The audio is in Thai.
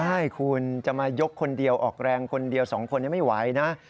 ใช่คุณจะมายกคนเดียวออกแรงคนเดียว๒คนไม่ไหวนะ